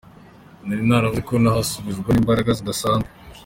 Nari naravuze ko nahasubizwa n’imbaraga zidasanzwe.